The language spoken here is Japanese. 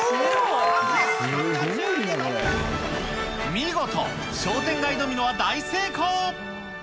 見事、商店街ドミノは大成功。